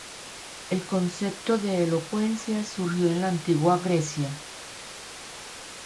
El concepto de elocuencia surgió en la antigua Grecia.